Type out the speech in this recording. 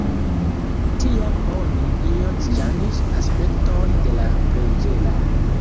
Tiam oni iom ŝanĝis aspekton de la preĝejo.